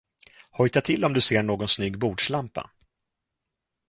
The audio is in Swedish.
Hojta till om du ser någon snygg bordslampa.